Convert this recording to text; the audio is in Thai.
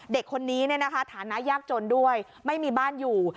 เด็กคนนี้เนี่ยนะคะฐานะยากจนด้วยไม่มีบ้านอยู่